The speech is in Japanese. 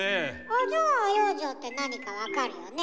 じゃあ養生って何か分かるよね？